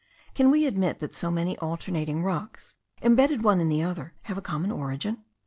Can we admit that so many alternating rocks, imbedded one in the other, have a common origin?